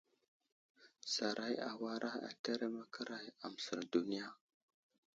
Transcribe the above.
Saray awara ateremeke aray aməsər duniya.